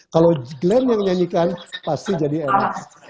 kalau glenn yang nyanyikan pasti jadi enak